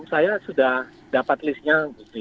saya sudah dapat listnya